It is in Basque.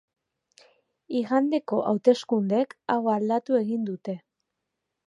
Igandeko hauteskundeek hau aldatu egin dute.